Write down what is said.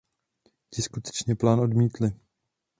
Ti skutečně plán odmítli.